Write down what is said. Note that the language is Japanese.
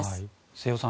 瀬尾さん